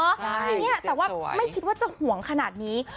เนี่ยแต่ว่าไม่คิดว่าจะห่วงขนาดนี้